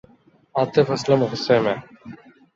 آطف اسلم غصے میں